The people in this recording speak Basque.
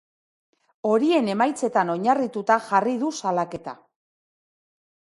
Horien emaitzetan oinarrituta jarri du salaketa.